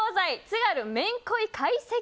津軽めんこい懐石